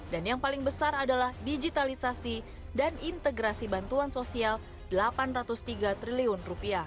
dan yang paling besar adalah digitalisasi dan integrasi bantuan sosial rp delapan ratus tiga triliun